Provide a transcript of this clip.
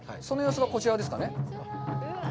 その様子がこちらですかね。